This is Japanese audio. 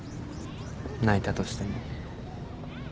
泣いたとしても。